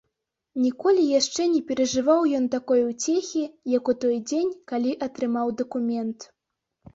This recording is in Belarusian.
Ніколі яшчэ не перажываў ён такой уцехі, як у той дзень, калі атрымаў дакумент.